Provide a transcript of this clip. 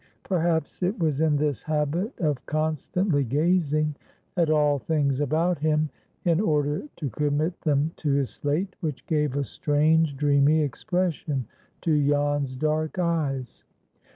Perhaps it was in this habit of constantly gazing at all things about him, in order to commit them to his slate, which gave a strange, dreamy expression to Jan's dark eyes.